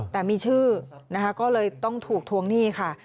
แต่มีชื่อนะคะก็เลยต้องถูกทวงหนี้ค่ะ